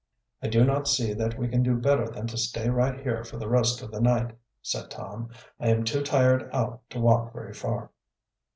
"I do not see that we can do better than to stay right here for the rest of the night," said Tom. "I am too tired out to walk very, far."